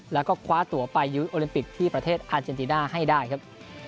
แล้วก็คว้าตัวไปยื้อโอลิมปิกที่ประเทศอาเจนติน่าให้ได้ครับ